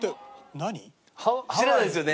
知らないですよね。